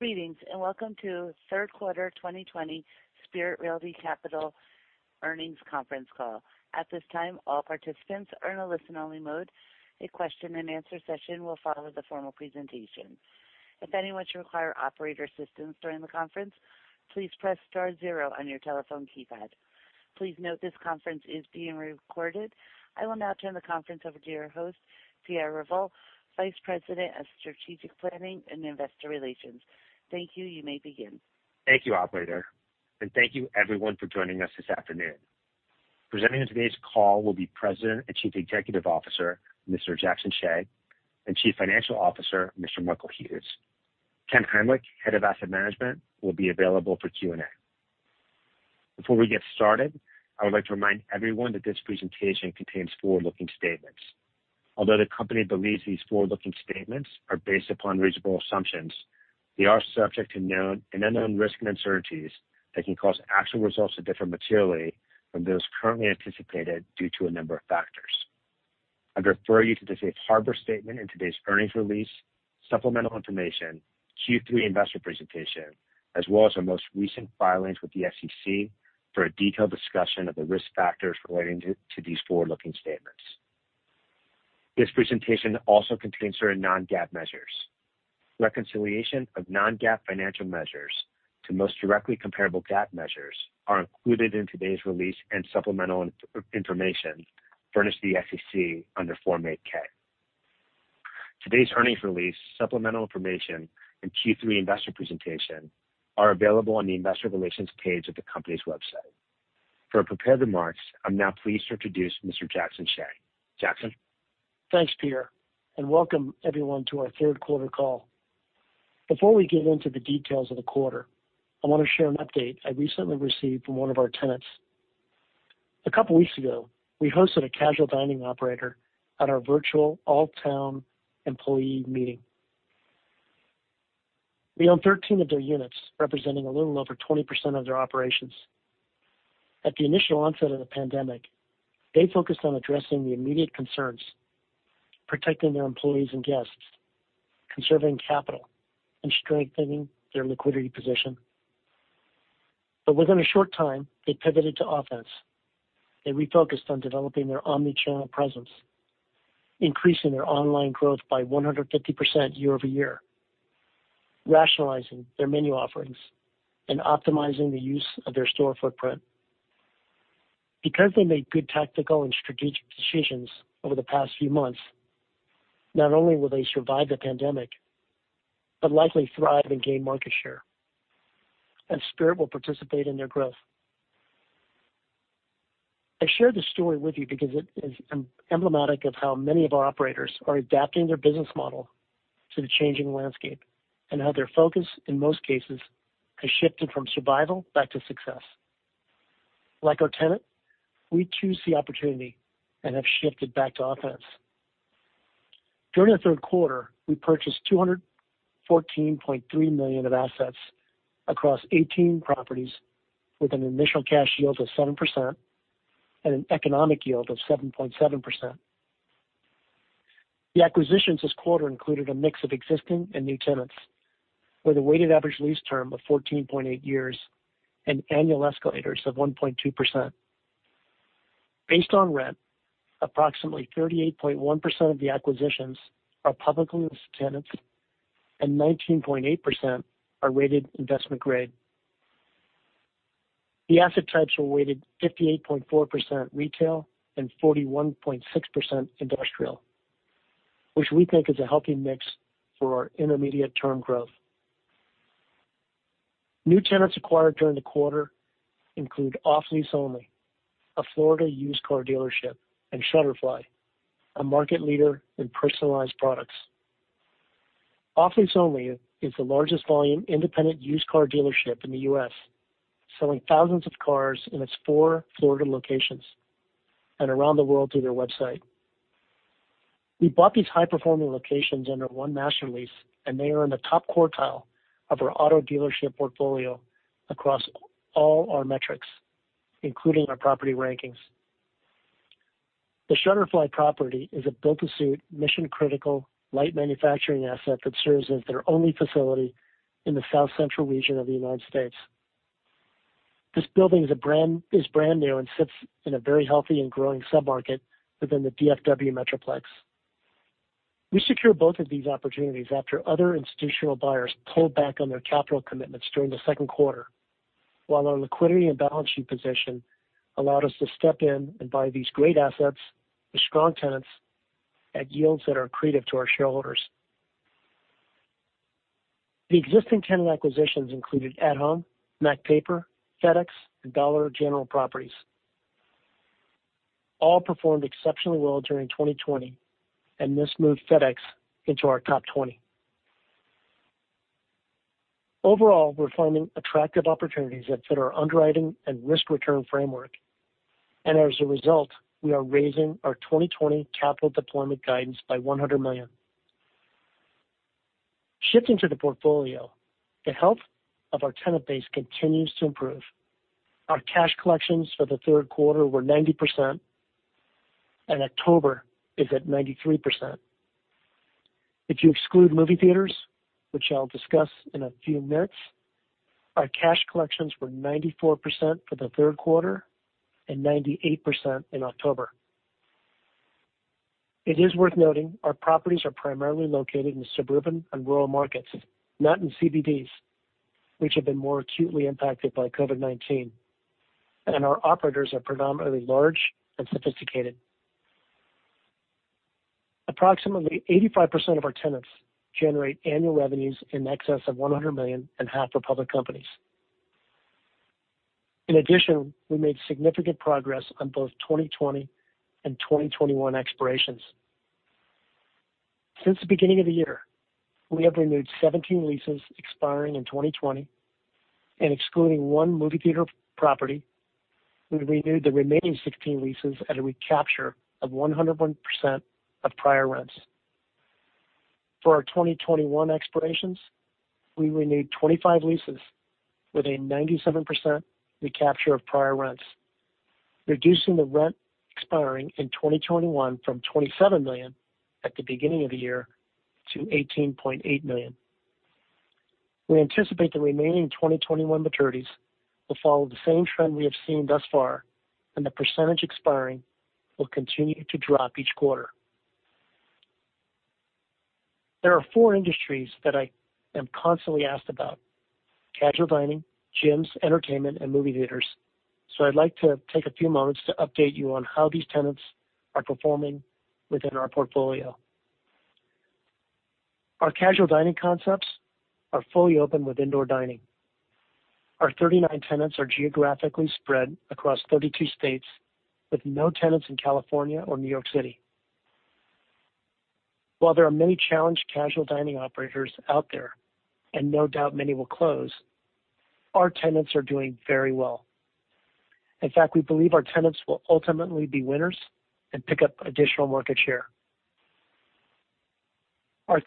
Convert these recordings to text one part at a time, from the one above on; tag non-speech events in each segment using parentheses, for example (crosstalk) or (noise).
Greetings, and welcome to Third Quarter 2020 Spirit Realty Capital Earnings Conference Call. I will now turn the conference over to your host, Pierre Revol, Vice President of Strategic Planning and Investor Relations. Thank you. You may begin. Thank you, operator, and thank you everyone for joining us this afternoon. Presenting today's call will be President and Chief Executive Officer, Mr. Jackson Hsieh, and Chief Financial Officer, Mr. Michael Hughes. Ken Heimlich, Head of Asset Management, will be available for Q&A. Before we get started, I would like to remind everyone that this presentation contains forward-looking statements. Although the company believes these forward-looking statements are based upon reasonable assumptions, they are subject to known and unknown risks and uncertainties that can cause actual results to differ materially from those currently anticipated due to a number of factors. I'd refer you to the safe harbor statement in today's earnings release, supplemental information, Q3 investor presentation, as well as our most recent filings with the SEC for a detailed discussion of the risk factors relating to these forward-looking statements. This presentation also contains certain non-GAAP measures. Reconciliation of non-GAAP financial measures to most directly comparable GAAP measures are included in today's release and supplemental information furnished to the SEC under Form 8-K. Today's earnings release, supplemental information, and Q3 investor presentation are available on the investor relations page of the company's website. For prepared remarks, I'm now pleased to introduce Mr. Jackson Hsieh. Jackson? Thanks, Pierre, welcome everyone to our third quarter call. Before we get into the details of the quarter, I want to share an update I recently received from one of our tenants. A couple weeks ago, we hosted a casual dining operator at our virtual all-town employee meeting. We own 13 of their units, representing a little over 20% of their operations. At the initial onset of the pandemic, they focused on addressing the immediate concerns, protecting their employees and guests, conserving capital, and strengthening their liquidity position. Within a short time, they pivoted to offense. They refocused on developing their omni-channel presence, increasing their online growth by 150% year-over-year, rationalizing their menu offerings, and optimizing the use of their store footprint. Because they made good tactical and strategic decisions over the past few months, not only will they survive the pandemic, but likely thrive and gain market share. Spirit will participate in their growth. I share this story with you because it is emblematic of how many of our operators are adapting their business model to the changing landscape and how their focus, in most cases, has shifted from survival back to success. Like our tenant, we choose the opportunity and have shifted back to offense. During the third quarter, we purchased $214.3 million of assets across 18 properties with an initial cash yield of 7% and an economic yield of 7.7%. The acquisitions this quarter included a mix of existing and new tenants with a weighted average lease term of 14.8 years and annual escalators of 1.2%. Based on rent, approximately 38.1% of the acquisitions are publicly leased tenants and 19.8% are rated investment-grade. The asset types were weighted 58.4% retail and 41.6% industrial, which we think is a healthy mix for our intermediate-term growth. New tenants acquired during the quarter include Off Lease Only, a Florida used car dealership, and Shutterfly, a market leader in personalized products. Off Lease Only is the largest volume independent used car dealership in the U.S., selling thousands of cars in its four Florida locations and around the world through their website. We bought these high performing locations under one master lease, and they are in the top quartile of our auto dealership portfolio across all our metrics, including our property rankings. The Shutterfly property is a built-to-suit, mission-critical, light manufacturing asset that serves as their only facility in the South Central region of the United States. This building is brand new and sits in a very healthy and growing sub-market within the DFW metroplex. We secured both of these opportunities after other institutional buyers pulled back on their capital commitments during the second quarter, while our liquidity and balance sheet position allowed us to step in and buy these great assets with strong tenants at yields that are accretive to our shareholders. The existing tenant acquisitions included At Home, Mac Papers, FedEx, and Dollar General properties. This moved FedEx into our top 20. All performed exceptionally well during 2020. As a result, we are raising our 2020 capital deployment guidance by $100 million. Overall, we're finding attractive opportunities that fit our underwriting and risk-return framework. Shifting to the portfolio, the health of our tenant base continues to improve. Our cash collections for the third quarter were 90%. October is at 93%. If you exclude movie theaters, which I'll discuss in a few minutes, our cash collections were 94% for the third quarter and 98% in October. It is worth noting our properties are primarily located in suburban and rural markets, not in CBDs, which have been more acutely impacted by COVID-19. Our operators are predominantly large and sophisticated. Approximately 85% of our tenants generate annual revenues in excess of $100 million. Half are public companies. In addition, we made significant progress on both 2020 and 2021 expirations. Since the beginning of the year, we have renewed 17 leases expiring in 2020. Excluding one movie theater property, we renewed the remaining 16 leases at a recapture of 101% of prior rents. For our 2021 expirations, we renewed 25 leases with a 97% recapture of prior rents, reducing the rent expiring in 2021 from $27 million at the beginning of the year to $18.8 million. We anticipate the remaining 2021 maturities will follow the same trend we have seen thus far, and the percentage expiring will continue to drop each quarter. There are four industries that I am constantly asked about: casual dining, gyms, entertainment, and movie theaters. I'd like to take a few moments to update you on how these tenants are performing within our portfolio. Our casual dining concepts are fully open with indoor dining. Our 39 tenants are geographically spread across 32 states with no tenants in California or New York City. While there are many challenged casual dining operators out there, and no doubt many will close, our tenants are doing very well. In fact, we believe our tenants will ultimately be winners and pick up additional market share. Our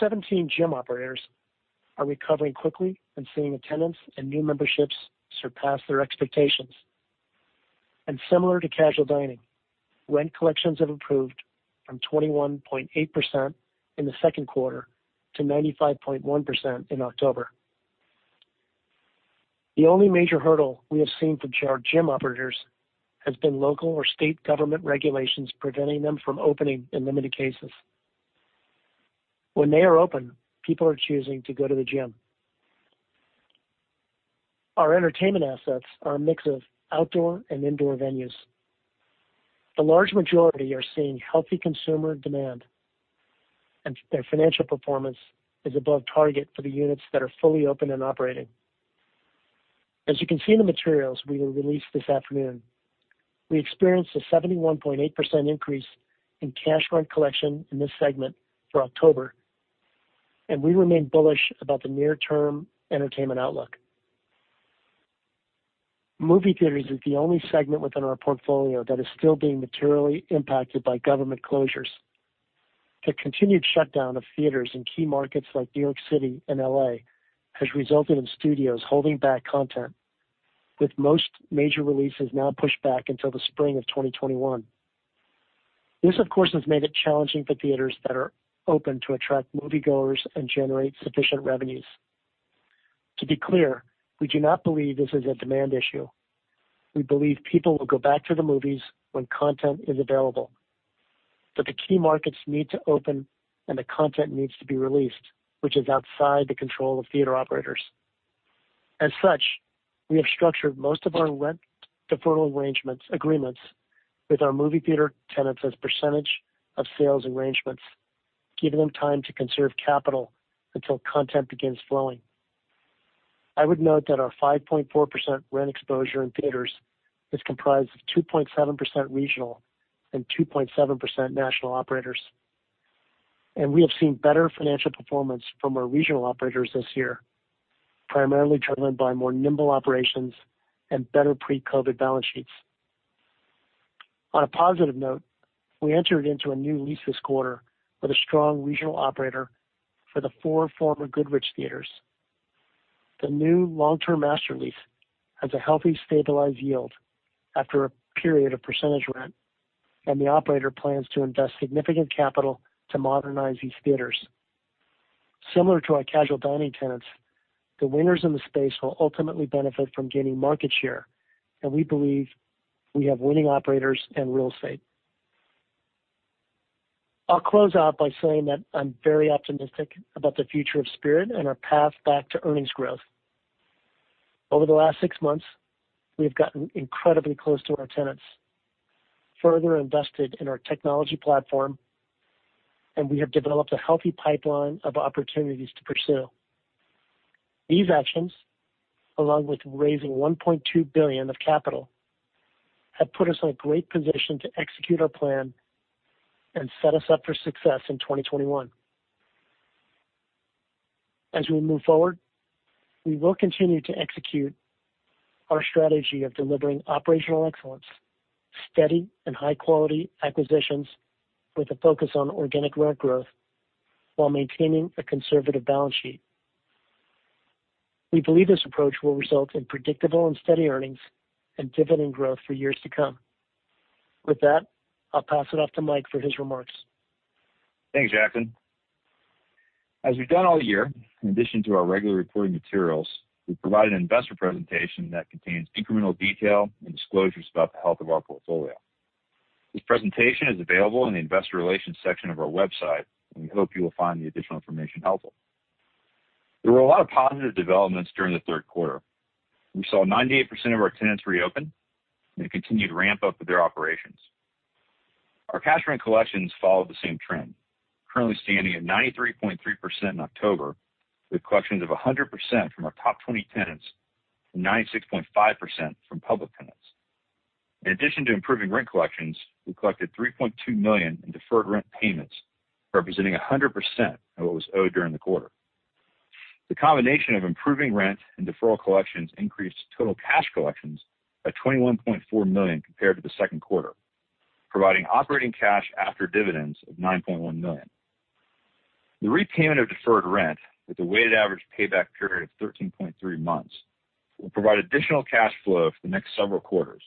17 gym operators are recovering quickly and seeing attendance and new memberships surpass their expectations. Similar to casual dining, rent collections have improved from 21.8% in the second quarter to 95.1% in October. The only major hurdle we have seen for our gym operators has been local or state government regulations preventing them from opening in limited cases. When they are open, people are choosing to go to the gym. Our entertainment assets are a mix of outdoor and indoor venues. The large majority are seeing healthy consumer demand, and their financial performance is above target for the units that are fully open and operating. As you can see in the materials we will release this afternoon, we experienced a 71.8% increase in cash rent collection in this segment for October, and we remain bullish about the near term entertainment outlook. Movie theaters is the only segment within our portfolio that is still being materially impacted by government closures. The continued shutdown of theaters in key markets like New York City and L.A. has resulted in studios holding back content, with most major releases now pushed back until the spring of 2021. This, of course, has made it challenging for theaters that are open to attract moviegoers and generate sufficient revenues. To be clear, we do not believe this is a demand issue. We believe people will go back to the movies when content is available. The key markets need to open and the content needs to be released, which is outside the control of theater operators. As such, we have structured most of our rent deferral agreements with our movie theater tenants as percentage of sales arrangements, giving them time to conserve capital until content begins flowing. I would note that our 5.4% rent exposure in theaters is comprised of 2.7% regional and 2.7% national operators. We have seen better financial performance from our regional operators this year, primarily driven by more nimble operations and better pre-COVID balance sheets. On a positive note, we entered into a new lease this quarter with a strong regional operator for the four former Goodrich theaters. The new long-term master lease has a healthy stabilized yield after a period of percentage rent, and the operator plans to invest significant capital to modernize these theaters. Similar to our casual dining tenants, the winners in the space will ultimately benefit from gaining market share, and we believe we have winning operators and real estate. I'll close out by saying that I'm very optimistic about the future of Spirit and our path back to earnings growth. Over the last six months, we have gotten incredibly close to our tenants, further invested in our technology platform, and we have developed a healthy pipeline of opportunities to pursue. These actions, along with raising $1.2 billion of capital, have put us in a great position to execute our plan and set us up for success in 2021. As we move forward, we will continue to execute our strategy of delivering operational excellence, steady and high-quality acquisitions with a focus on organic rent growth while maintaining a conservative balance sheet. We believe this approach will result in predictable and steady earnings and dividend growth for years to come. With that, I'll pass it off to Mike for his remarks. Thanks, Jackson. As we've done all year, in addition to our regular reporting materials, we provide an investor presentation that contains incremental detail and disclosures about the health of our portfolio. This presentation is available in the investor relations section of our website. We hope you will find the additional information helpful. There were a lot of positive developments during the third quarter. We saw 98% of our tenants reopen. They continued to ramp up their operations. Our cash rent collections followed the same trend, currently standing at 93.3% in October, with collections of 100% from our top 20 tenants and 96.5% from public tenants. In addition to improving rent collections, we collected $3.2 million in deferred rent payments, representing 100% of what was owed during the quarter. The combination of improving rent and deferral collections increased total cash collections by $21.4 million compared to the second quarter, providing operating cash after dividends of $9.1 million. The repayment of deferred rent, with a weighted average payback period of 13.3 months, will provide additional cash flow for the next several quarters,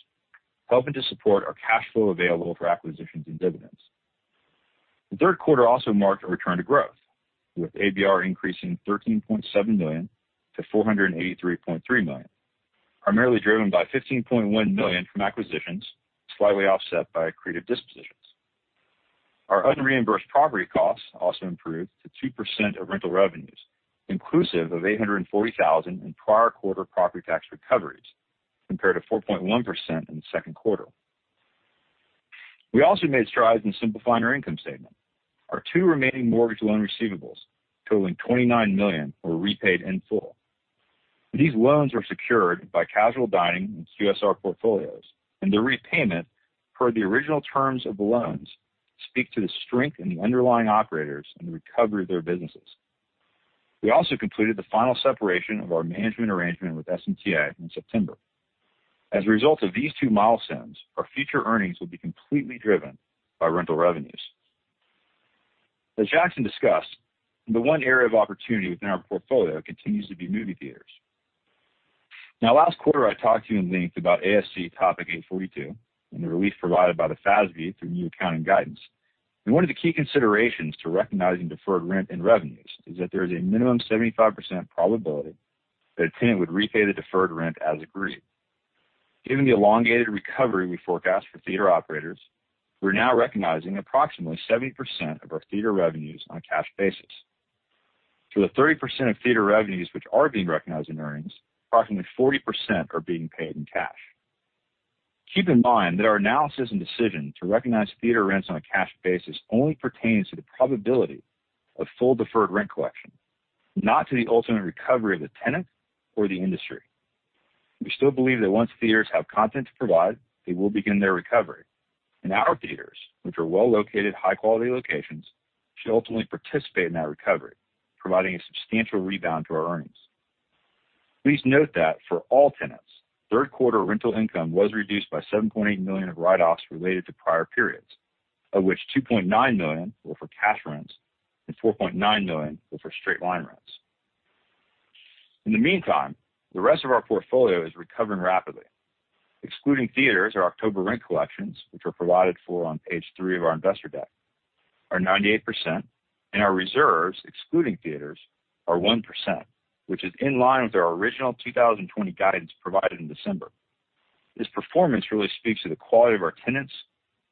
helping to support our cash flow available for acquisitions and dividends. The third quarter also marked a return to growth, with ABR increasing $13.7 million to $483.3 million, primarily driven by $15.1 million from acquisitions, slightly offset by accretive dispositions. Our unreimbursed property costs also improved to 2% of rental revenues, inclusive of $840,000 in prior quarter property tax recoveries, compared to 4.1% in the second quarter. Our two remaining mortgage loan receivables totaling $29 million were repaid in full. These loans were secured by casual dining and QSR portfolios, and their repayment, per the original terms of the loans, speak to the strength in the underlying operators and the recovery of their businesses. We also completed the final separation of our management arrangement with SMTA in September. As a result of these two milestones, our future earnings will be completely driven by rental revenues. As Jackson discussed, the one area of opportunity within our portfolio continues to be movie theaters. Last quarter, I talked to you in length about ASC Topic 842 and the relief provided by the FASB through new accounting guidance. One of the key considerations to recognizing deferred rent and revenues is that there is a minimum 75% probability that a tenant would repay the deferred rent as agreed. Given the elongated recovery we forecast for theater operators, we're now recognizing approximately 70% of our theater revenues on a cash basis. For the 30% of theater revenues which are being recognized in earnings, approximately 40% are being paid in cash. Keep in mind that our analysis and decision to recognize theater rents on a cash basis only pertains to the probability of full deferred rent collection, not to the ultimate recovery of the tenant or the industry. We still believe that once theaters have content to provide, they will begin their recovery, and our theaters, which are well-located, high-quality locations, should ultimately participate in that recovery, providing a substantial rebound to our earnings. Please note that for all tenants, third quarter rental income was reduced by $7.8 million of write-offs related to prior periods, of which $2.9 million were for cash rents and $4.9 million were for straight-line rents. In the meantime, the rest of our portfolio is recovering rapidly. Excluding theaters, our October rent collections, which are provided for on page three of our investor deck, are 98%, and our reserves, excluding theaters, are 1%, which is in line with our original 2020 guidance provided in December. This performance really speaks to the quality of our tenants,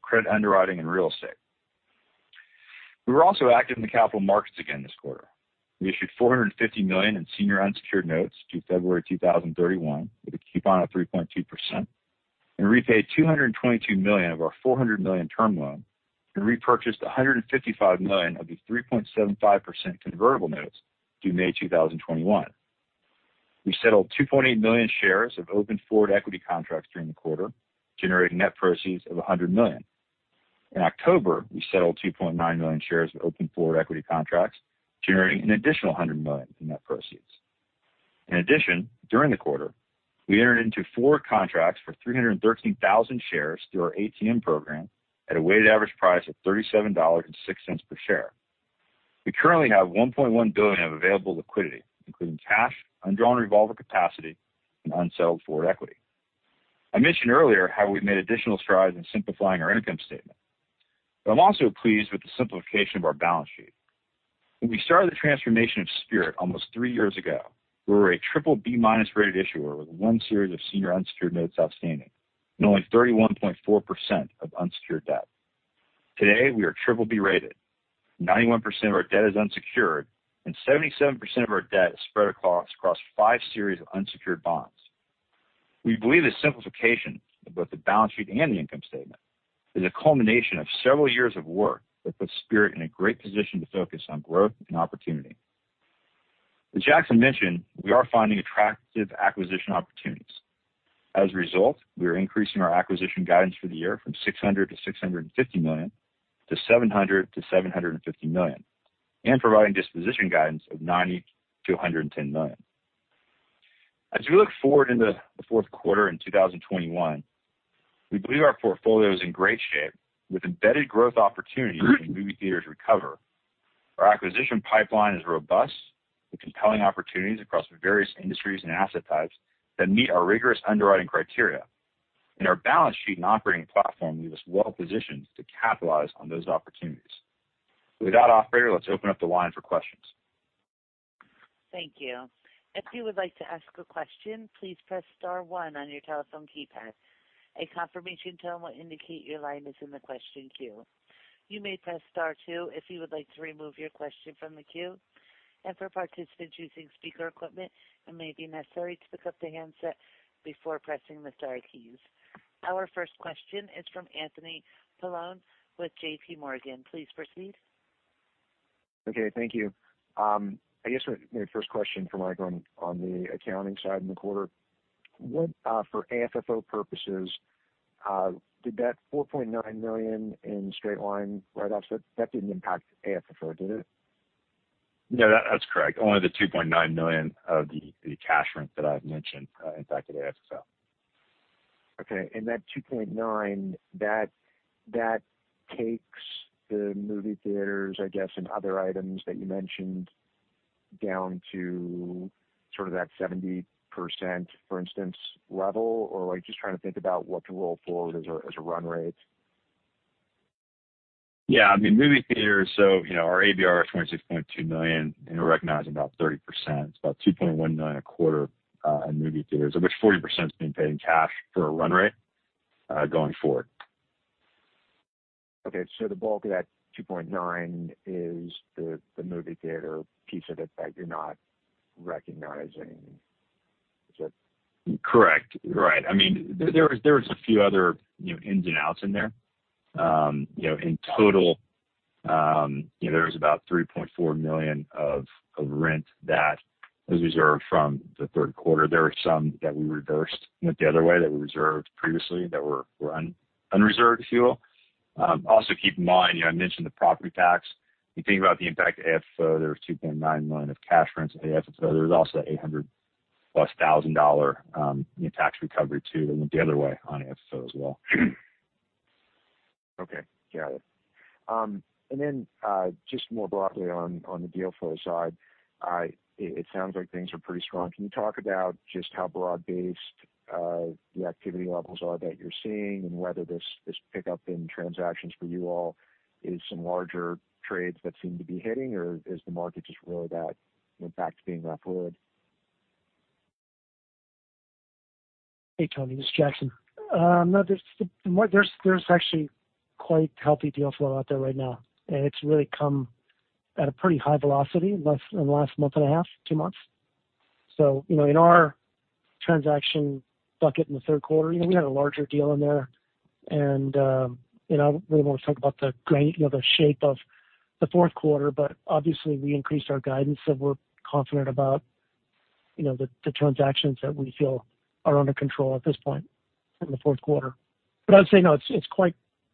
credit underwriting, and real estate. We were also active in the capital markets again this quarter. We issued $450 million in senior unsecured notes due February 2031 with a coupon of 3.2% and repaid $222 million of our $400 million term loan and repurchased $155 million of the 3.75% convertible notes due May 2021. We settled 2.8 million shares of open forward equity contracts during the quarter, generating net proceeds of $100 million. In October, we settled 2.9 million shares of open forward equity contracts, generating an additional $100 million in net proceeds. In addition, during the quarter, we entered into four contracts for 313,000 shares through our ATM program at a weighted average price of $37.06 per share. We currently have $1.1 billion of available liquidity, including cash, undrawn revolver capacity, and unsettled forward equity. I mentioned earlier how we made additional strides in simplifying our income statement, but I'm also pleased with the simplification of our balance sheet. When we started the transformation of Spirit almost three years ago, we were a BBB-minus rated issuer with one series of senior unsecured notes outstanding and only 31.4% of unsecured debt. Today, we are BBB-rated, 91% of our debt is unsecured, and 77% of our debt is spread across five series of unsecured bonds. We believe the simplification of both the balance sheet and the income statement is a culmination of several years of work that puts Spirit in a great position to focus on growth and opportunity. As Jackson mentioned, we are finding attractive acquisition opportunities. As a result, we are increasing our acquisition guidance for the year from $600 million to $650 million to $700 million to $750 million and providing disposition guidance of $90 million to $110 million. As we look forward into the fourth quarter and 2021. We believe our portfolio is in great shape with embedded growth opportunities as movie theaters recover. Our acquisition pipeline is robust with compelling opportunities across various industries and asset types that meet our rigorous underwriting criteria. Our balance sheet and operating platform leave us well positioned to capitalize on those opportunities. With that, operator, let's open up the line for questions. Our first question is from Anthony Paolone with JPMorgan. Please proceed. Okay. Thank you. I guess my first question for Mike on the accounting side in the quarter. For AFFO purposes, did that $4.9 million in straight line write-offs, that didn't impact AFFO, did it? No, that's correct. Only the $2.9 million of the cash rent that I've mentioned impacted AFFO. Okay. That 2.9, that takes the movie theaters, I guess, and other items that you mentioned down to that 70%, for instance, level, just trying to think about what to roll forward as a run rate? Movie theaters, our ABR is $26.2 million, and we're recognizing about 30%, about $2.1 million a quarter in movie theaters, of which 40% is being paid in cash for a run rate going forward. Okay. The bulk of that $2.9 is the movie theater piece of it that you're not recognizing. Is that? Correct. Right. There was a few other ins and outs in there. In total there was about $3.4 million of rent that was reserved from the third quarter. There were some that we reversed, went the other way, that we reserved previously that were unreserved, if you will. Keep in mind, I mentioned the property tax. You think about the impact to AFFO, there was $2.9 million of cash rents to AFFO. There was also a $800+ thousand in tax recovery too that went the other way on AFFO as well. Okay. Got it. Just more broadly on the deal flow side, it sounds like things are pretty strong. Can you talk about just how broad-based the activity levels are that you're seeing and whether this pickup in transactions for you all is some larger trades that seem to be hitting or is the market just really that back to being? (inaudible) Hey, Anthony. This is Jackson. No, there's actually quite healthy deal flow out there right now, and it's really come at a pretty high velocity in the last month and a half, two months. In our transaction bucket in the third quarter, we had a larger deal in there, and I really want to talk about the shape of the fourth quarter, obviously we increased our guidance, we're confident about the transactions that we feel are under control at this point in the fourth quarter. I'd say no,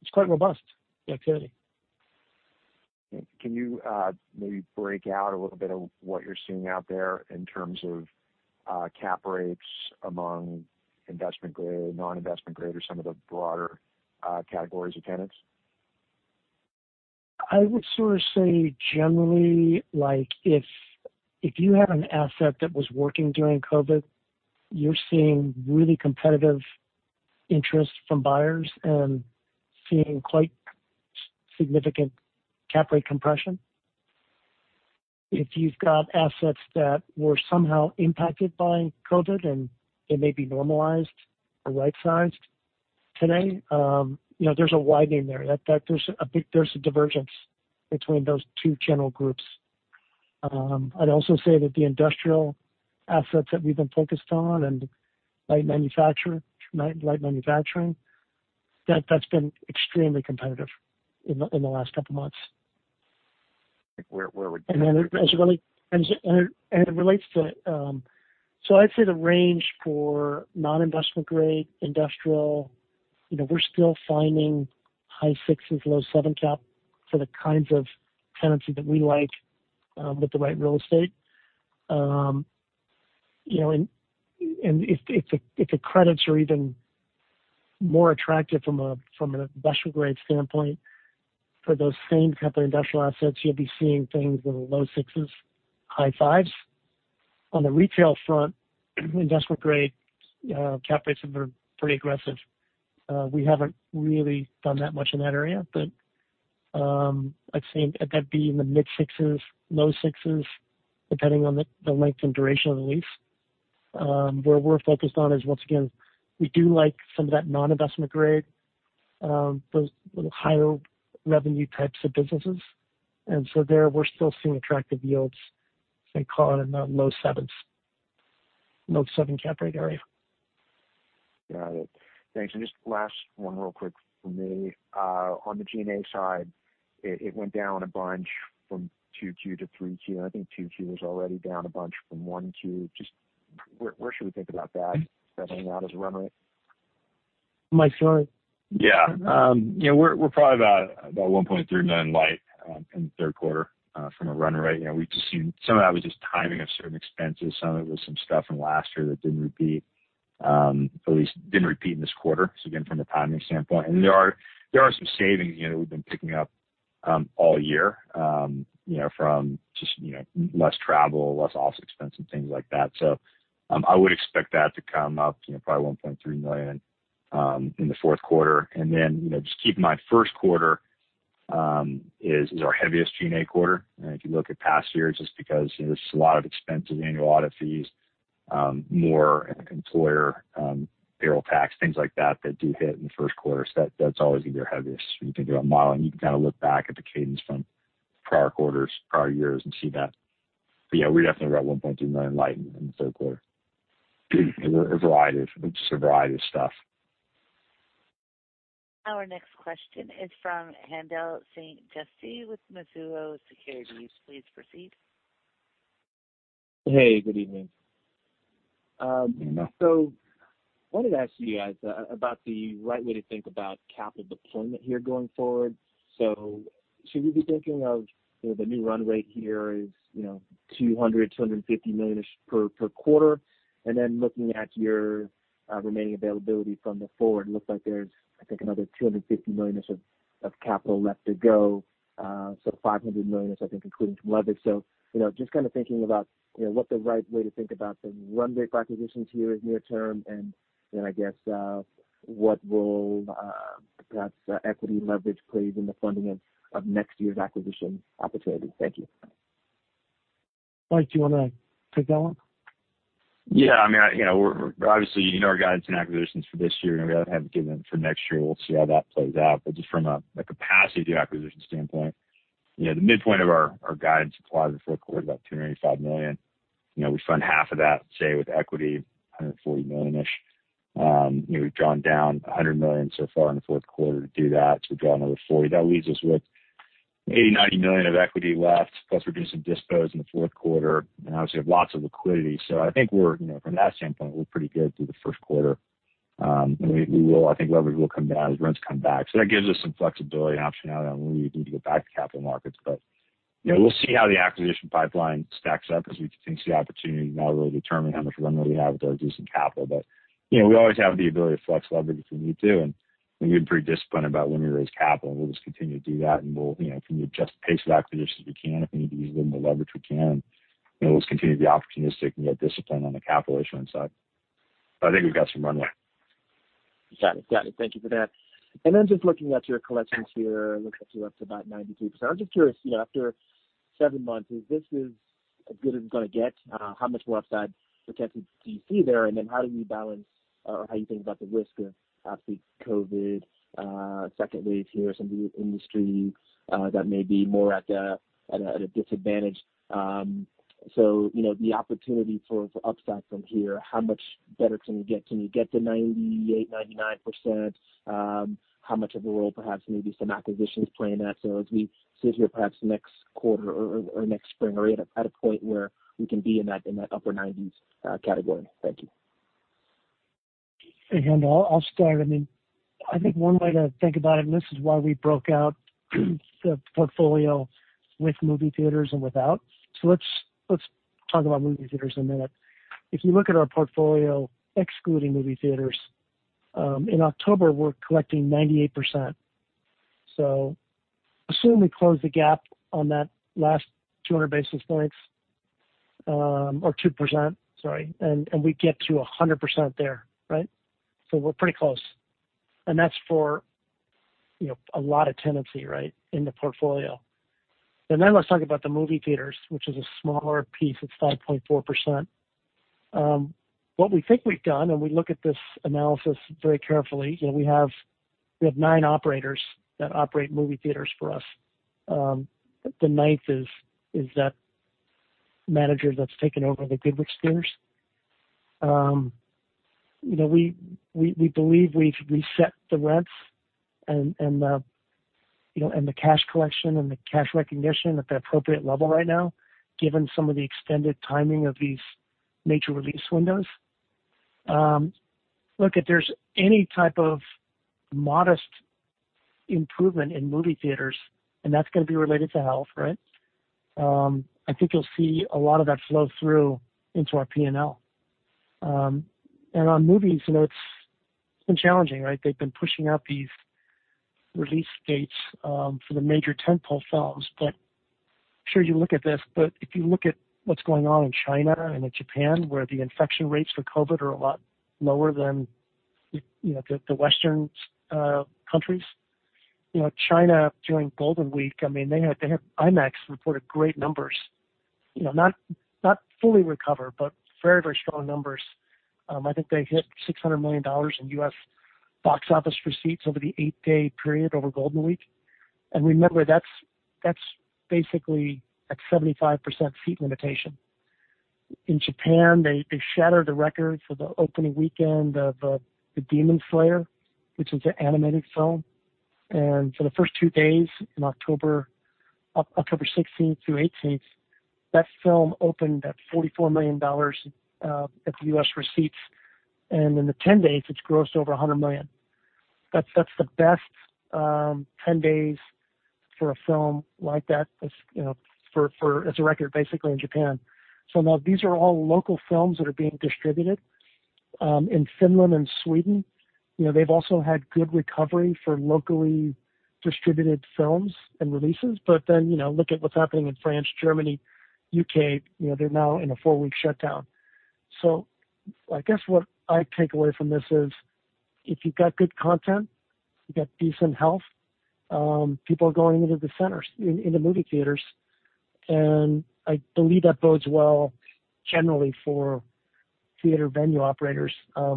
it's quite robust, the activity. Can you maybe break out a little bit of what you're seeing out there in terms of cap rates among investment grade, non-investment grade, or some of the broader categories of tenants? I would sort of say generally, if you had an asset that was working during COVID, you're seeing really competitive interest from buyers and seeing quite significant cap rate compression. If you've got assets that were somehow impacted by COVID, then they may be normalized or right-sized today. There's a widening there. There's a divergence between those two general groups. I'd also say that the industrial assets that we've been focused on and light manufacturing, that's been extremely competitive in the last couple of months. Where would? As it relates to, I'd say the range for non-investment grade industrial, we're still finding high sixes, low seven cap for the kinds of tenancy that we like with the right real estate. If the credits are even more attractive from an investment grade standpoint for those same type of industrial assets, you'll be seeing things in the low sixes, high fives. On the retail front, investment grade cap rates have been pretty aggressive. We haven't really done that much in that area, but I'd say that'd be in the mid-sixes, low sixes, depending on the length and duration of the lease. Where we're focused on is, once again, we do like some of that non-investment grade those little higher revenue types of businesses. There, we're still seeing attractive yields, say, call it in the low sevens, low seven cap rate area. Got it. Thanks. Just last one real quick from me. On the G&A side, it went down a bunch from Q2 to Q3, and I think Q2 was already down a bunch from 1Q. Just where should we think about that settling out as a run rate? Mike, sorry? Yeah. We're probably about $1.3 million light in the third quarter from a run rate. We've just seen some of that was just timing of certain expenses. Some of it was some stuff from last year that didn't repeat, at least didn't repeat in this quarter. Again, from the timing standpoint. There are some savings we've been picking up all year from just less travel, less office expense, and things like that. I would expect that to come up probably $1.3 million in the fourth quarter. Just keeping my first quarter is our heaviest Q&A quarter. If you look at past years, just because there's a lot of expenses, annual audit fees, more employer payroll tax, things like that do hit in the first quarter. That's always your heaviest. You can do a model, you can kind of look back at the cadence from prior quarters, prior years, and see that. Yeah, we're definitely about $1.3 million light in the third quarter. It was a variety of stuff. Our next question is from Haendel St. Juste with Mizuho Securities. Please proceed. Hey, good evening. Wanted to ask you guys about the right way to think about capital deployment here going forward. Should we be thinking of the new run rate here is $200 million to $250 million -ish per quarter? Then looking at your remaining availability from the forward, looks like there's, I think, another $250 million -ish of capital left to go. $500 million -ish, I think, including some leverage. Just kind of thinking about what the right way to think about the run rate acquisitions here is near term, then I guess what role perhaps equity leverage plays in the funding of next year's acquisition opportunities. Thank you. Mike, do you want to take that one? Yeah. Obviously, you know our guidance in acquisitions for this year, and we haven't given for next year. We'll see how that plays out. Just from a capacity to acquisition standpoint, the midpoint of our guidance implies in the fourth quarter about $285 million. We fund half of that, say, with equity, $140 million -ish. We've drawn down $100 million so far in the fourth quarter to do that, so we draw another $40 million. That leaves us with $80 million, $90 million of equity left, plus we're doing some dispos in the fourth quarter. Obviously, we have lots of liquidity. I think from that standpoint, we're pretty good through the first quarter. We will, I think leverage will come down as rents come back. That gives us some flexibility and optionality on when we need to go back to capital markets. We'll see how the acquisition pipeline stacks up as we continue to see opportunity to now really determine how much runway we have with our. (inaudible) We always have the ability to flex leverage if we need to. We've been pretty disciplined about when we raise capital. We'll just continue to do that, and we'll continue to adjust the pace of acquisitions if we can. If we need to use a little more leverage, we can. We'll just continue to be opportunistic and get disciplined on the capital issuance side. I think we've got some runway. Just looking at your collections here, looks like you're up to about 93%. I'm just curious, after seven months, is this as good as it's going to get? How much more upside potential do you see there? How do you balance or how you think about the risk of obviously COVID, second wave here, some of the industry that may be more at a disadvantage. The opportunity for upside from here, how much better can you get? Can you get to 98%, 99%? How much of a role perhaps maybe some acquisitions play in that? As we sit here perhaps next quarter or next spring, are we at a point where we can be in that upper 90s category? Thank you. Hey, Haendel, I'll start. I think one way to think about it, and this is why we broke out the portfolio with movie theaters and without. Let's talk about movie theaters in a minute. If you look at our portfolio, excluding movie theaters, in October, we're collecting 98%. Assume we close the gap on that last 200 basis points or 2%, sorry, and we get to 100% there, right? We're pretty close. That's for a lot of tenancy, right, in the portfolio. Then let's talk about the movie theaters, which is a smaller piece. It's 5.4%. What we think we've done, and we look at this analysis very carefully, we have nine operators that operate movie theaters for us. The ninth is that manager that's taken over the Goodrich theaters. We believe we've reset the rents and the cash collection and the cash recognition at the appropriate level right now, given some of the extended timing of these major release windows. Look, if there's any type of modest improvement in movie theaters, and that's going to be related to health, right? I think you'll see a lot of that flow through into our P&L. On movies, it's been challenging, right? They've been pushing out these release dates for the major tent-pole films. I'm sure you look at this, but if you look at what's going on in China and in Japan, where the infection rates for COVID-19 are a lot lower than the Western countries. China during Golden Week, IMAX reported great numbers. Not fully recovered, but very strong numbers. I think they hit $600 million in U.S. box office receipts over the 8-day period over Golden Week. Remember, that's basically at 75% seat limitation. In Japan, they shattered the record for the opening weekend of "Demon Slayer," which is an animated film. For the first two days in October 16th through 18th, that film opened at $44 million at the U.S. receipts, and in the 10 days it's grossed over $100 million. That's the best 10 days for a film like that, it's a record basically in Japan. These are all local films that are being distributed. In Finland and Sweden, they've also had good recovery for locally distributed films and releases. Look at what's happening in France, Germany, U.K., they're now in a four-week shutdown. I guess what I take away from this is if you've got good content, you've got decent health, people are going into the centers, in the movie theaters. I believe that bodes well generally for theater venue operators.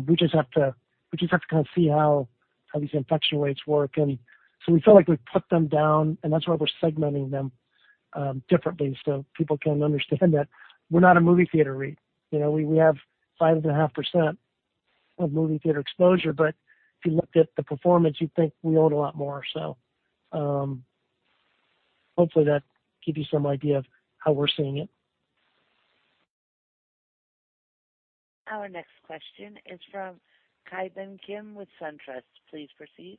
We just have to kind of see how these infection rates work. We felt like we put them down and that's why we're segmenting them differently so people can understand that we're not a movie theater REIT. We have 5.5% of movie theater exposure, but if you looked at the performance, you'd think we owned a lot more. Hopefully that gives you some idea of how we're seeing it. Our next question is from Ki Bin Kim with Truist Securities. Please proceed.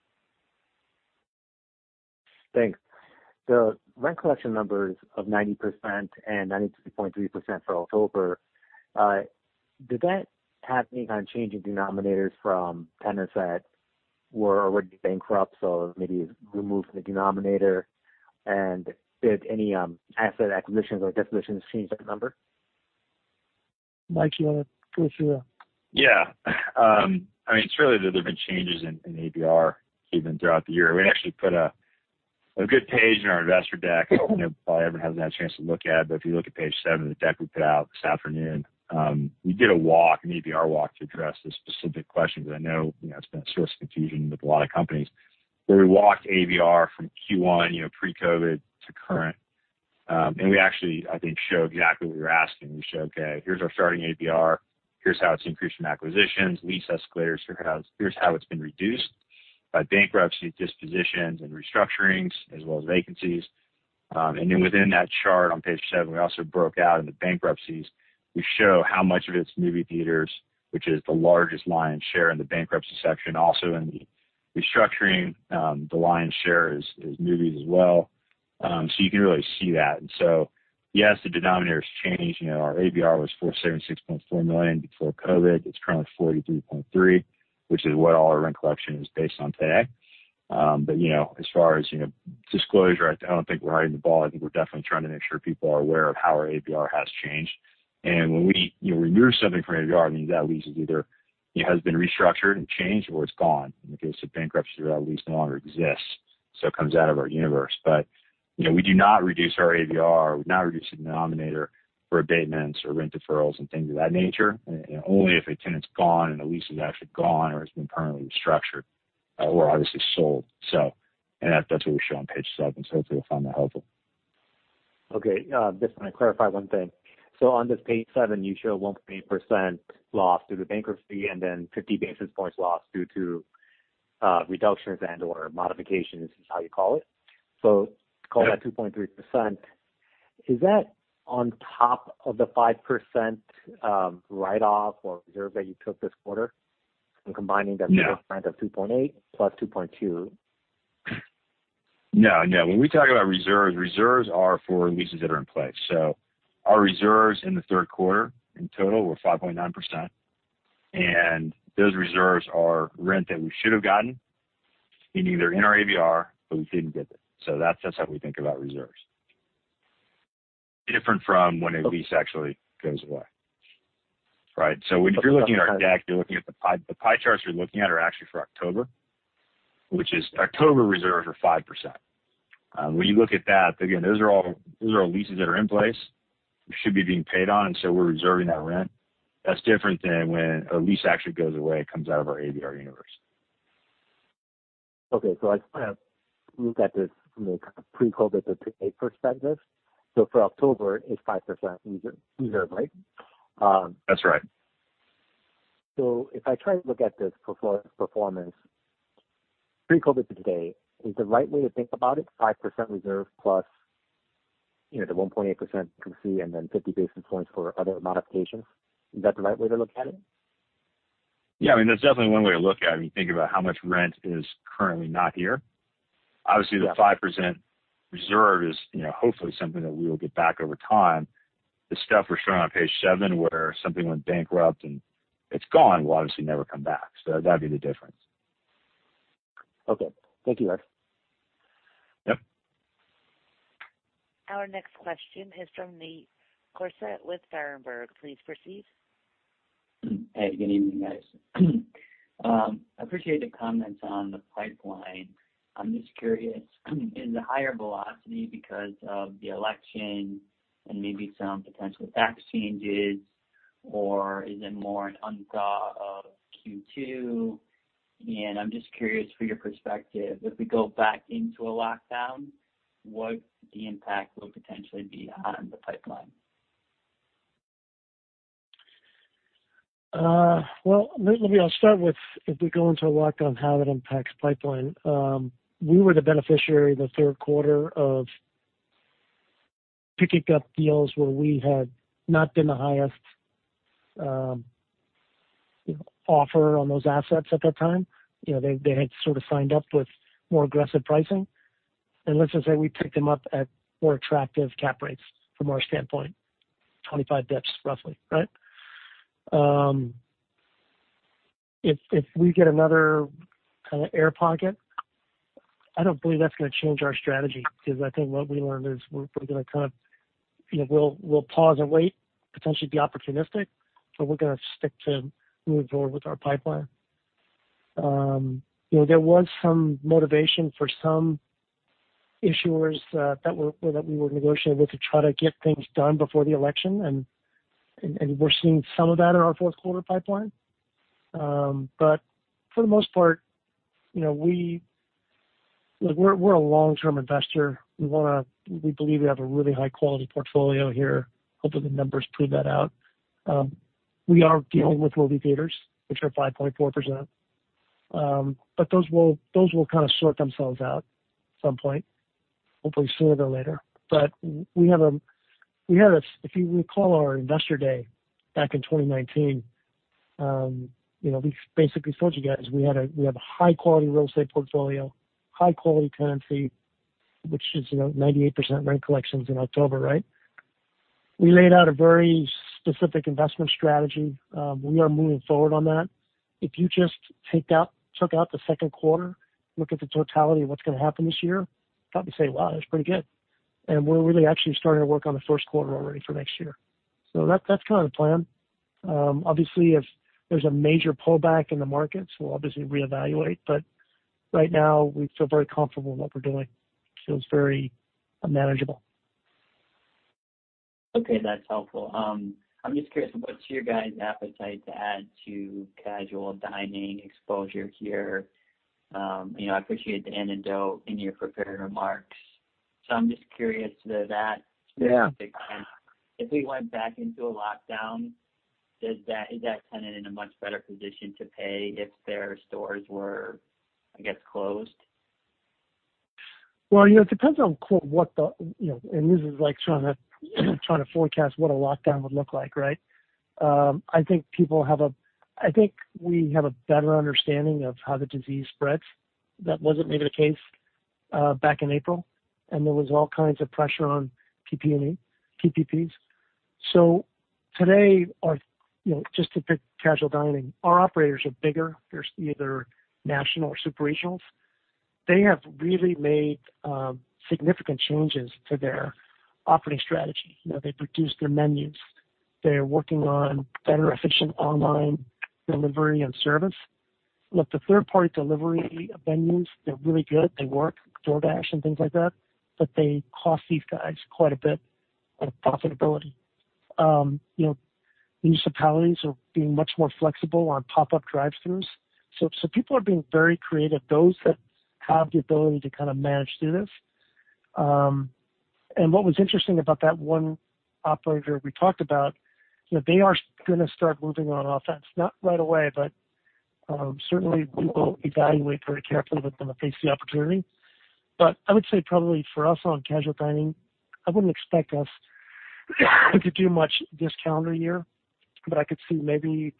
Thanks. The rent collection numbers of 90% and 93.3% for October, did that have any kind of change in denominators from tenants that were already bankrupt, so maybe removed from the denominator? Did any asset acquisitions or dispositions change that number? Mike, do you want to go through that? Yeah. It's really that there've been changes in ABR even throughout the year. We actually put a good page in our investor deck. Hopefully everybody has had a chance to look at it, but if you look at page seven of the deck we put out this afternoon, we did an ABR walk to address this specific question, because I know it's been a source of confusion with a lot of companies. Where we walked ABR from Q1, pre-COVID to current. We actually, I think, show exactly what you're asking. We show, okay, here's our starting ABR, here's how it's increased from acquisitions, lease escalators, here's how it's been reduced by bankruptcy, dispositions and restructurings, as well as vacancies. Then within that chart on page seven, we also broke out into bankruptcies. We show how much of it's movie theaters, which is the largest lion's share in the bankruptcy section. In the restructuring, the lion's share is movies as well. You can really see that. Yes, the denominator's changed. Our ABR was $476.4 million before COVID. It's currently $43.3, which is what all our rent collection is based on today. As far as disclosure, I don't think we're hiding the ball. I think we're definitely trying to make sure people are aware of how our ABR has changed. When we remove something from ABR, it means that lease is either has been restructured and changed or it's gone. In the case of bankruptcy, that lease no longer exists, it comes out of our universe. We do not reduce our ABR, we do not reduce the denominator for abatements or rent deferrals and things of that nature. Only if a tenant's gone and the lease is actually gone or has been permanently restructured, or obviously sold. That's what we show on page seven, so hopefully you'll find that helpful. Okay. Just want to clarify one thing. On this page seven, you show a 1.8% loss due to bankruptcy and then 50 basis points loss due to reductions and/or modifications, is how you call it. Call that 2.3%. Is that on top of the 5% write-off or reserve that you took this quarter? Combining the front of 2.8+2.2. No. When we talk about reserves are for leases that are in place. Our reserves in the third quarter in total were 5.9%. Those reserves are rent that we should have gotten in either in our ABR, but we didn't get it. That's how we think about reserves. Different from when a lease actually goes away. Right? When you're looking at our deck, the pie charts you're looking at are actually for October, which is October reserves are 5%. When you look at that, again, those are all leases that are in place. They should be being paid on, and so we're reserving that rent. That's different than when a lease actually goes away, it comes out of our ABR universe. Okay. I just want to look at this from the kind of pre-COVID-19 to today perspective. For October, it's 5% reserve, right? That's right. If I try to look at this performance pre-COVID to today, is the right way to think about it 5% reserve plus the 1.8% you can see, and then 50 basis points for other modifications? Is that the right way to look at it? Yeah, that's definitely one way to look at it when you think about how much rent is currently not here. Obviously the 5% reserve is hopefully something that we will get back over time. The stuff we're showing on page seven, where something went bankrupt and it's gone, will obviously never come back. That'd be the difference. Okay. Thank you, guys. Yep. Our next question is from Nate Crossett with Berenberg. Please proceed. Hey, good evening, guys. I appreciate the comments on the pipeline. I'm just curious, is the higher velocity because of the election and maybe some potential tax changes, or is it more an unthaw of Q2? I'm just curious for your perspective, if we go back into a lockdown, what the impact will potentially be on the pipeline? Maybe I'll start with if we go into lockdown how that impacts pipeline. We were the beneficiary in the third quarter of picking up deals where we had not been the highest offer on those assets at that time. They had sort of signed up with more aggressive pricing. Let's just say we picked them up at more attractive cap rates from our standpoint, 25 basis points roughly. Right. If we get another kind of air pocket, I don't believe that's going to change our strategy, because I think what we learned is we're going to kind of pause and wait, potentially be opportunistic, but we're going to stick to moving forward with our pipeline. There was some motivation for some issuers that we were negotiating with to try to get things done before the election. We're seeing some of that in our fourth quarter pipeline. For the most part, we're a long-term investor. We believe we have a really high-quality portfolio here. Hopefully, the numbers prove that out. We are dealing with movie theaters, which are 5.4%. Those will kind of sort themselves out at some point, hopefully sooner than later. If you recall our investor day back in 2019, we basically told you guys we have a high-quality real estate portfolio, high-quality tenancy, which is 98% rent collections in October. Right? We laid out a very specific investment strategy. We are moving forward on that. If you just took out the second quarter, look at the totality of what's going to happen this year, probably say, "Wow, that's pretty good." We're really actually starting to work on the first quarter already for next year. That's kind of the plan. Obviously, if there's a major pullback in the markets, we'll obviously reevaluate. Right now, we feel very comfortable in what we're doing. Feels very manageable. Okay, that's helpful. I'm just curious what's your guys' appetite to add to casual dining exposure here? I appreciate the anecdote in your prepared remarks. Yeah Specific. If we went back into a lockdown, is that tenant in a much better position to pay if their stores were, I guess, closed? Well, this is like trying to forecast what a lockdown would look like. Right. I think we have a better understanding of how the disease spreads. That wasn't maybe the case back in April, and there was all kinds of pressure on QSRs. Today, just to pick casual dining, our operators are bigger. They're either national or super regionals. They have really made significant changes to their operating strategy. They produced their menus. They are working on better efficient online delivery and service. Look, the third-party delivery venues, they're really good. They work, DoorDash and things like that, but they cost these guys quite a bit of profitability. Municipalities are being much more flexible on pop-up drive-throughs, so people are being very creative, those that have the ability to kind of manage through this. What was interesting about that one operator we talked about, they are going to start moving on offense. Not right away, but certainly we will evaluate very carefully with them and face the opportunity. I would say probably for us on casual dining, I wouldn't expect us to do much this calendar year, but I could see maybe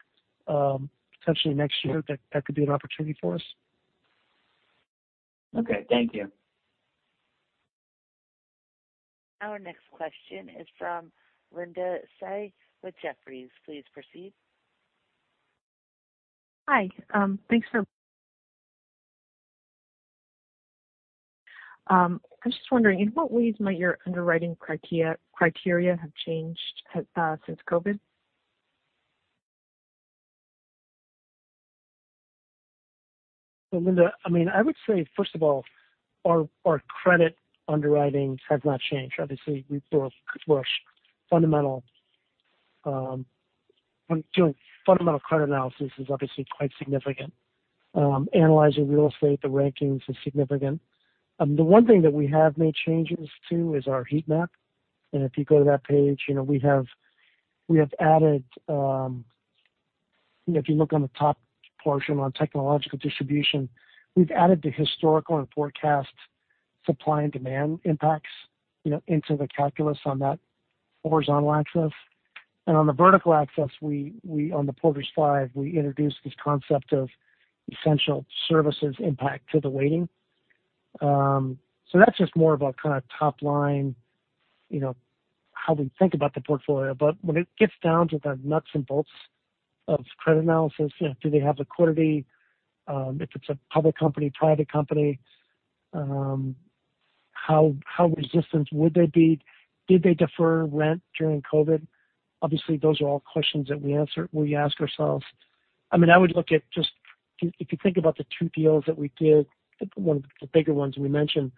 potentially next year that could be an opportunity for us. Okay. Thank you. Our next question is from Linda Tsai with Jefferies. Please proceed. Hi. I'm just wondering, in what ways might your underwriting criteria have changed since COVID? Linda, I would say, first of all, our credit underwriting has not changed. Obviously, we're fundamental. Doing fundamental credit analysis is obviously quite significant. Analyzing real estate, the rankings is significant. The one thing that we have made changes to is our heat map. If you go to that page, if you look on the top portion on technological distribution, we've added the historical and forecast supply and demand impacts into the calculus on that horizontal axis. On the vertical axis, on the Porter's Five, we introduced this concept of essential services impact to the weighting. That's just more of a kind of top line, how we think about the portfolio. When it gets down to the nuts and bolts of credit analysis, do they have liquidity? If it's a public company, private company, how resistant would they be? Did they defer rent during COVID? Obviously, those are all questions that we ask ourselves. I would look at, if you think about the two deals that we did, one of the bigger ones we mentioned,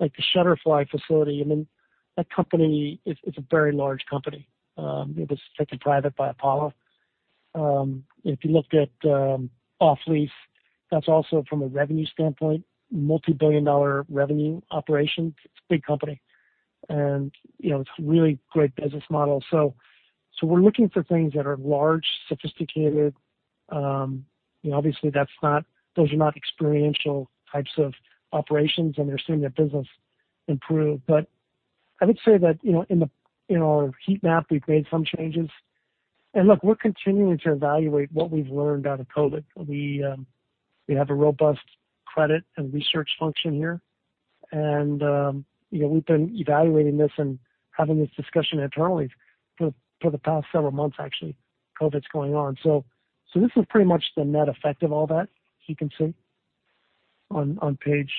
like the Shutterfly facility. That company is a very large company. It was taken private by Apollo. If you looked at Off Lease, that's also from a revenue standpoint, multi-billion dollar revenue operation. It's a big company. It's a really great business model. We're looking for things that are large, sophisticated. Obviously those are not experiential types of operations, and they're seeing their business improve. I would say that in our heat map, we've made some changes. Look, we're continuing to evaluate what we've learned out of COVID. We have a robust credit and research function here, and we've been evaluating this and having this discussion internally for the past several months, actually. COVID's going on. This is pretty much the net effect of all that, as you can see on page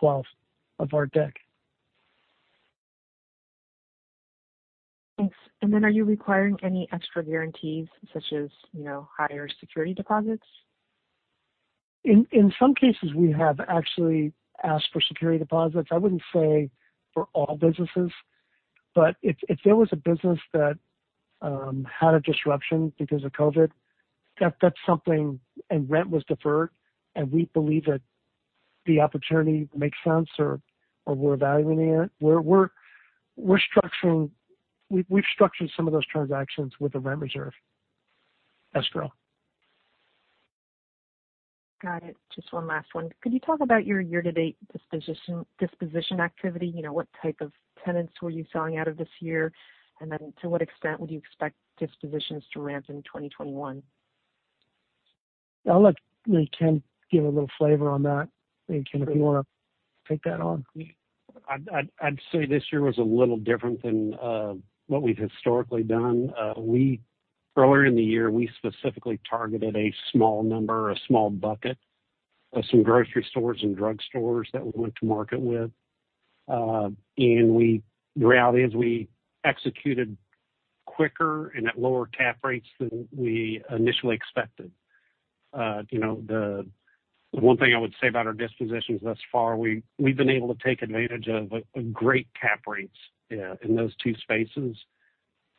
12 of our deck. Thanks. Are you requiring any extra guarantees, such as higher security deposits? In some cases, we have actually asked for security deposits. I wouldn't say for all businesses. If there was a business that had a disruption because of COVID, and rent was deferred, and we believe that the opportunity makes sense or we're evaluating it, we've structured some of those transactions with a rent reserve escrow. Got it. Just one last one. Could you talk about your year-to-date disposition activity? What type of tenants were you selling out of this year? To what extent would you expect dispositions to ramp in 2021? I'll let Ken give a little flavor on that. Ken, if you want to take that on. I'd say this year was a little different than what we've historically done. Earlier in the year, we specifically targeted a small number or a small bucket of some grocery stores and drugstores that we went to market with. The reality is we executed quicker and at lower cap rates than we initially expected. The one thing I would say about our dispositions thus far, we've been able to take advantage of great cap rates in those two spaces,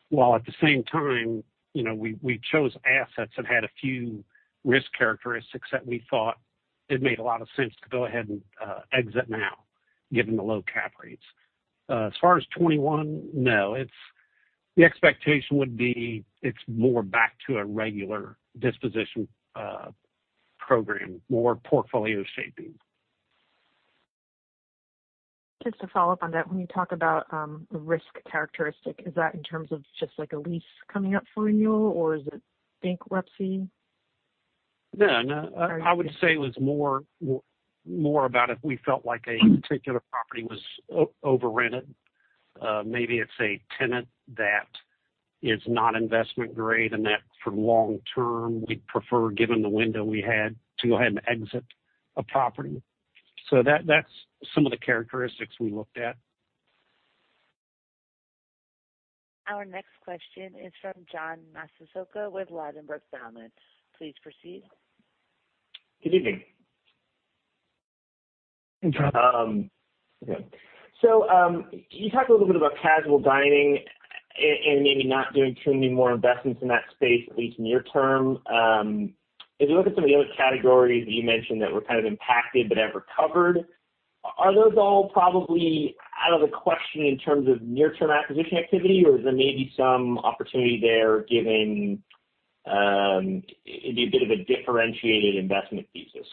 while at the same time, we chose assets that had a few risk characteristics that we thought it made a lot of sense to go ahead and exit now, given the low cap rates. As far as 2021, no. The expectation would be it's more back to a regular disposition program, more portfolio shaping. Just to follow up on that, when you talk about the risk characteristic, is that in terms of just a lease coming up for renewal, or is it bankruptcy? No. I would say it was more about if we felt like a particular property was over-rented. That for long term, we'd prefer, given the window we had, to go ahead and exit a property. That's some of the characteristics we looked at. Our next question is from John Massocca with Ladenburg Thalmann. Please proceed. Good evening. Hey, John. You talked a little bit about casual dining and maybe not doing too many more investments in that space, at least near term. As we look at some of the other categories that you mentioned that were kind of impacted but have recovered, are those all probably out of the question in terms of near-term acquisition activity, or is there maybe some opportunity there, given it'd be a bit of a differentiated investment thesis?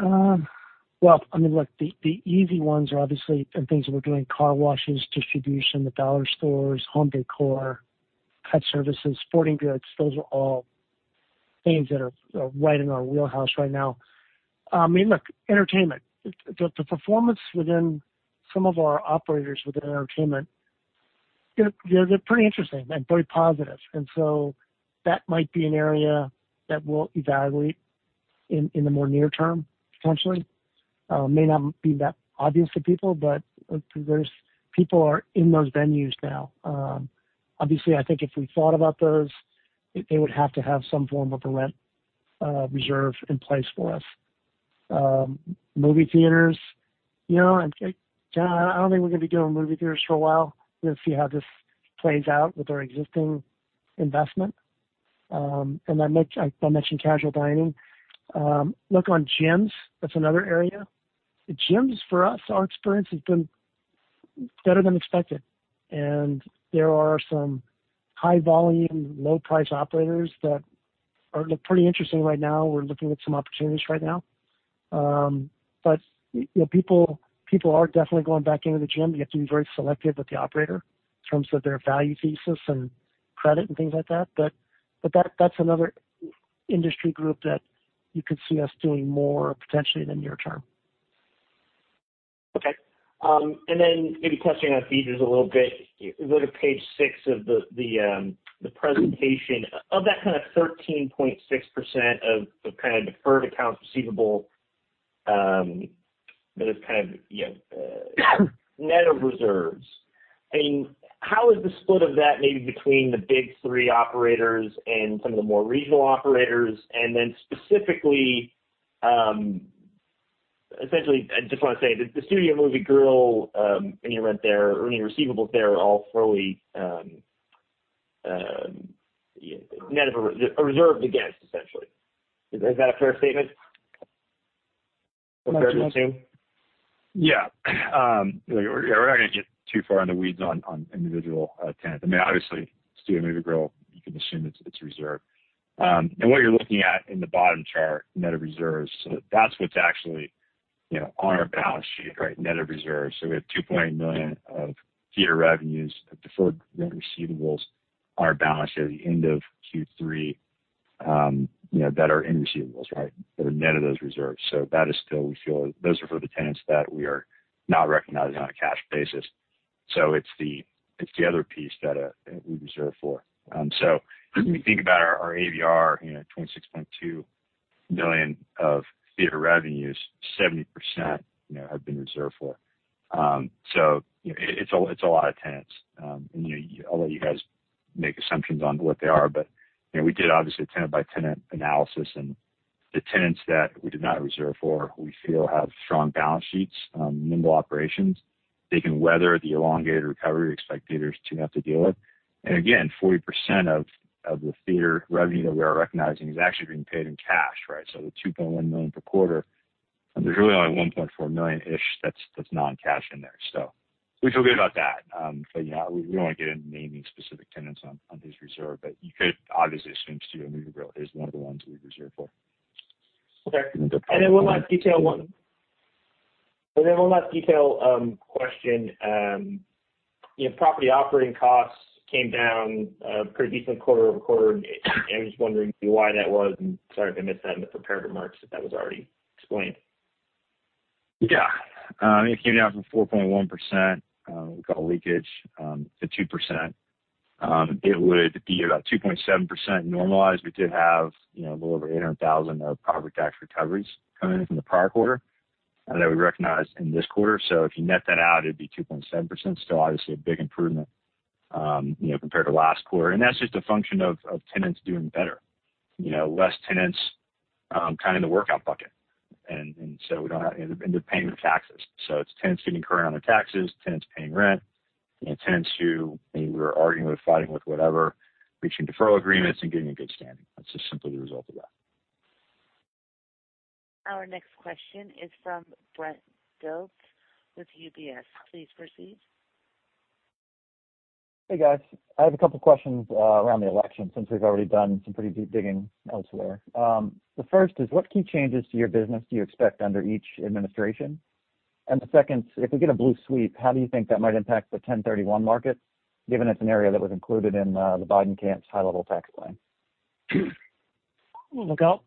Well, I mean, look, the easy ones are obviously things that we're doing, car washes, distribution, the dollar stores, home decor, pet services, sporting goods. Those are all things that are right in our wheelhouse right now. I mean, look, entertainment, the performance within some of our operators within entertainment, they're pretty interesting and very positive. That might be an area that we'll evaluate in the more near term, potentially. May not be that obvious to people, but people are in those venues now. Obviously, I think if we thought about those, they would have to have some form of a rent reserve in place for us. Movie theaters, John, I don't think we're going to be doing movie theaters for a while. We'll see how this plays out with our existing investment. I mentioned casual dining. Look on gyms, that's another area. Gyms for us, our experience has been better than expected, and there are some high volume, low price operators that look pretty interesting right now. We're looking at some opportunities right now. People are definitely going back into the gym. You have to be very selective with the operator in terms of their value thesis and credit and things like that. That's another industry group that you could see us doing more potentially in the near term. Okay. Maybe touching on theaters a little bit. Go to page six of the presentation. Of that kind of 13.6% of the kind of deferred accounts receivable that is kind of net of reserves. I mean, how is the split of that maybe between the big three operators and some of the more regional operators? Specifically, essentially, I just want to say, the Studio Movie Grill and your rent there, earning receivables there are all (inaudible) against essentially. Is that a fair statement or fair to assume? We're not going to get too far in the weeds on individual tenants. Obviously, Studio Movie Grill, you can assume it's reserved. What you're looking at in the bottom chart, net of reserves, so that's what's actually on our balance sheet, net of reserves. We have $2.9 million of theater revenues of deferred rent receivables on our balance sheet at the end of Q3 that are in receivables. That are net of those reserves. That is still, we feel those are for the tenants that we are not recognizing on a cash basis. It's the other piece that we reserve for. When we think about our ABR, $26.2 million of theater revenues, 70% have been reserved for. It's a lot of tenants. I'll let you guys make assumptions on what they are, but we did obviously a tenant-by-tenant analysis and the tenants that we did not reserve for, we feel have strong balance sheets, nimble operations. They can weather the elongated recovery we expect theaters to have to deal with. Again, 40% of the theater revenue that we are recognizing is actually being paid in cash. The $2.1 million per quarter, there's really only $1.4 million -ish that's non-cash in there. We feel good about that. We don't want to get into naming specific tenants on who's reserved, but you could obviously assume Studio Movie Grill is one of the ones we reserved for. Okay. One last detail question. Property operating costs came down pretty decent quarter-over-quarter. I'm just wondering why that was, and sorry if I missed that in the prepared remarks, if that was already explained. Yeah. It came down from 4.1%. We've got leakage to 2%. It would be about 2.7% normalized. We did have a little over $800,000 of property tax recoveries coming in from the prior quarter that we recognized in this quarter. If you net that out, it'd be 2.7%. Still obviously a big improvement compared to last quarter. That's just a function of tenants doing better. Less tenants kind of in the workout bucket. They're paying their taxes. It's tenants getting current on their taxes, tenants paying rent, and tenants who maybe we were arguing with, fighting with, whatever, reaching deferral agreements and getting in good standing. That's just simply the result of that. Our next question is from Brent Thill with UBS. Please proceed. Hey, guys. I have a couple questions around the election since we've already done some pretty deep digging elsewhere. The first is what key changes to your business do you expect under each administration? The second, if we get a blue sweep, how do you think that might impact the 1031 market, given it's an area that was included in the Biden camp's high-level tax plan? Look, I'll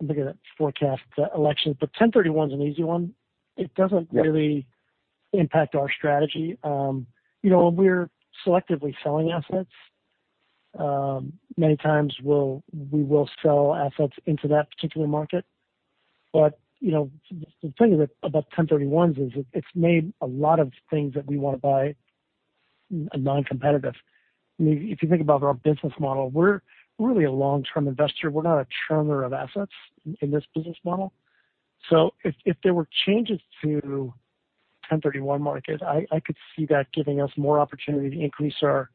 look at that forecast election. 1031's an easy one. It doesn't really impact our strategy. When we're selectively selling assets, many times we will sell assets into that particular market. The thing about 1031s is it's made a lot of things that we want to buy non-competitive. If you think about our business model, we're really a long-term investor. We're not a turner of assets in this business model. If there were changes to 1031 market, I could see that giving us more opportunity to increase our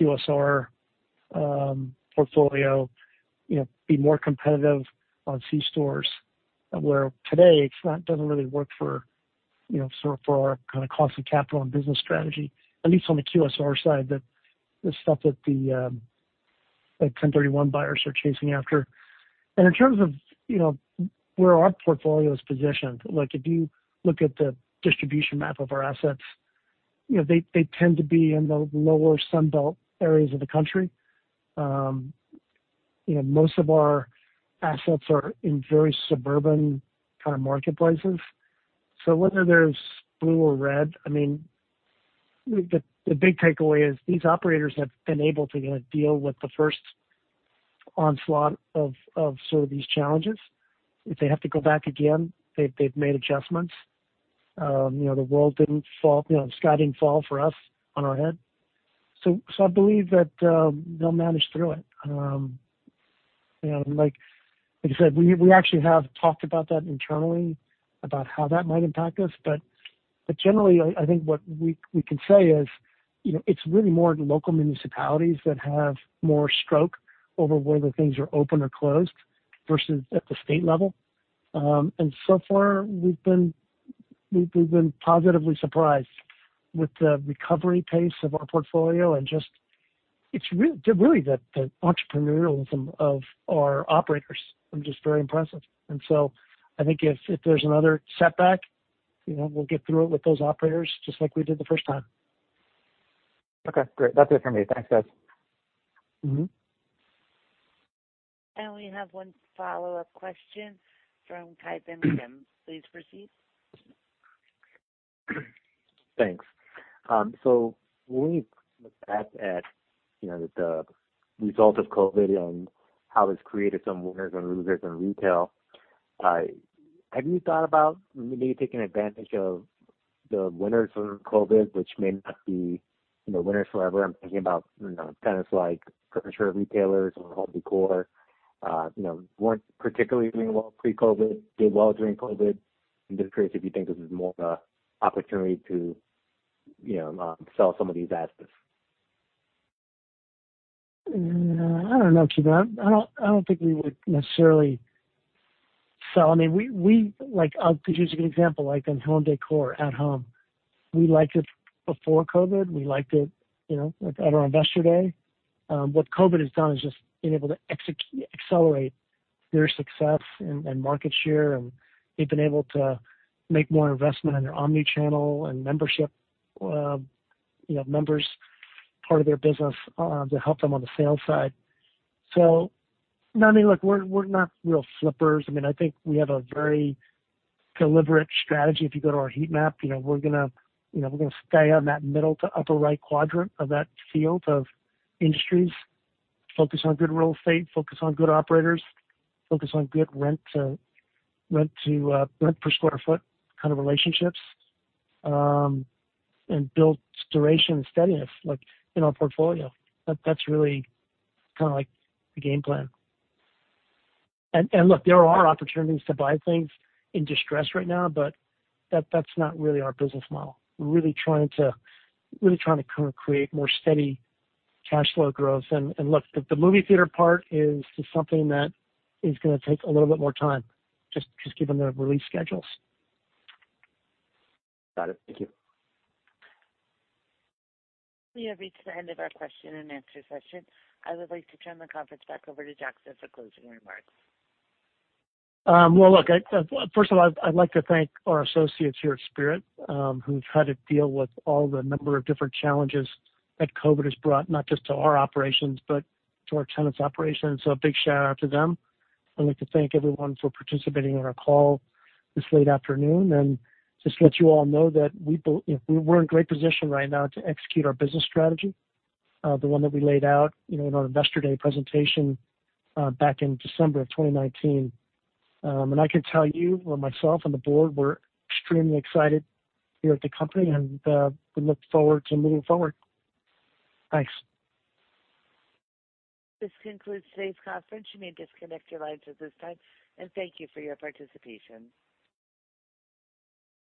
QSR portfolio, be more competitive on C-stores, where today it doesn't really work for our kind of cost of capital and business strategy, at least on the QSR side, the stuff that the 1031 buyers are chasing after. In terms of where our portfolio is positioned, if you look at the distribution map of our assets, they tend to be in the lower Sun Belt areas of the country. Most of our assets are in very suburban kind of marketplaces. Whether there's blue or red, the big takeaway is these operators have been able to deal with the first onslaught of some of these challenges. If they have to go back again, they've made adjustments. The sky didn't fall for us on our head. I believe that they'll manage through it. Like I said, we actually have talked about that internally about how that might impact us. Generally, I think what we can say is it's really more local municipalities that have more stroke over whether things are open or closed versus at the state level. So far we've been positively surprised with the recovery pace of our portfolio, and just it's really the entrepreneurialism of our operators is just very impressive. I think if there's another setback, we'll get through it with those operators just like we did the first time. Okay, great. That's it for me. Thanks, guys. We have one follow-up question from Ki Bin Kim. Please proceed. Thanks. When we look back at the result of COVID on how it's created some winners and losers in retail, have you thought about maybe taking advantage of the winners from COVID, which may not be the winners forever? I'm thinking about tenants like furniture retailers or home décor weren't particularly doing well pre-COVID, did well during COVID. I'm just curious if you think this is more of an opportunity to sell some of these assets. I don't know, Ki Bin. I don't think we would necessarily sell. I could use an example, like on At Home. We liked it before COVID. We liked it at our Investor Day. What COVID has done is just being able to accelerate their success and market share, and they've been able to make more investment in their omni-channel and membership, members part of their business to help them on the sales side. Look, we're not real flippers. I think we have a very deliberate strategy. If you go to our heat map, we're going to stay on that middle to upper right quadrant of that field of industries, focus on good real estate, focus on good operators, focus on good rent per sq ft kind of relationships, and build duration and steadiness in our portfolio. That's really the game plan. Look, there are opportunities to buy things in distress right now, but that's not really our business model. We're really trying to create more steady cash flow growth. Look, the movie theater part is just something that is going to take a little bit more time, just given the release schedules. Got it. Thank you. We have reached the end of our question-and-answer session. I would like to turn the conference back over to Jackson for closing remarks. First of all, I'd like to thank our associates here at Spirit, who've had to deal with all the number of different challenges that COVID has brought, not just to our operations, but to our tenants' operations. A big shout-out to them. I'd like to thank everyone for participating on our call this late afternoon. Just to let you all know that we're in great position right now to execute our business strategy, the one that we laid out in our Investor Day presentation back in December of 2019. I can tell you or myself and the board, we're extremely excited here at the company, and we look forward to moving forward. Thanks. This concludes today's conference. You may disconnect your lines at this time, and thank you for your participation.